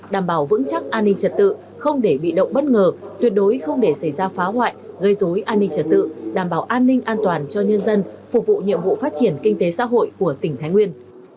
đảm bảo vững chắc an ninh trật tự không để bị động bất ngờ tuyệt đối không để xảy ra phá hoại gây dối an ninh trật tự đảm bảo an ninh an toàn cho nhân dân phục vụ nhiệm vụ phát triển kinh tế xã hội của tỉnh thái nguyên